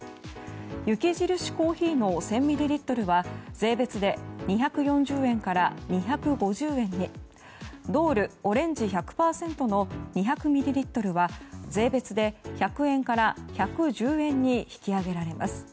雪印コーヒーの１０００ミリリットルは税別で２４０円から２５０円にＤｏｌｅオレンジ１００％の２００ミリリットルは税別で１００円から１１０円に引き上げられます。